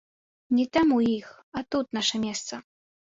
Не там, у іх, а тут наша месца.